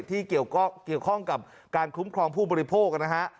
ที่เกี่ยวข้องกับการคุ้มครองผู้บริโภคนะฮะ